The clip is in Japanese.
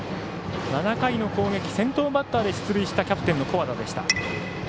７回の攻撃、先頭バッターで出塁したキャプテンの古和田でした。